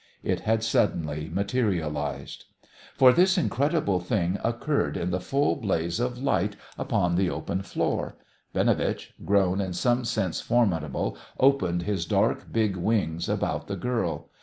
It had suddenly materialised. For this incredible thing occurred in the full blaze of light upon the open floor. Binovitch, grown in some sense formidable, opened his dark, big wings about the girl.